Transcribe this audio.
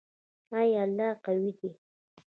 آیا الله قوی دی؟